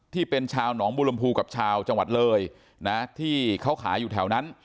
ที่เป็นชาวหนองบูรมภูกับชาวจังหวัดเลยนะที่เขาขายอยู่แถวนั้น